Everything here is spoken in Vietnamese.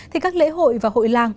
thì các lễ hội và hội làng